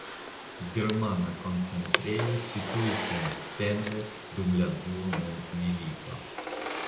Germana koncentrejo situis en Stende dum la Dua Mondmilito.